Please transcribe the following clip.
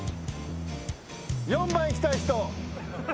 ４番いきたい人。